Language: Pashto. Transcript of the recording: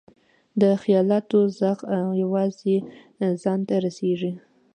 د خیالاتو ږغ یوازې ځان ته رسېږي.